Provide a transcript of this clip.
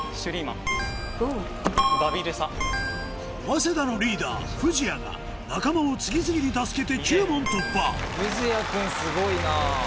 早稲田のリーダー藤谷が仲間を次々に助けて９問突破・藤谷君すごいなぁ・